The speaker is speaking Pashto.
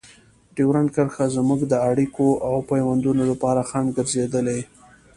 ډیورنډ کرښه زموږ د اړیکو او پيوندونو لپاره خنډ ګرځېدلې.